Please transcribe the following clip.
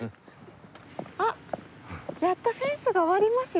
あっやっとフェンスが終わりますよ。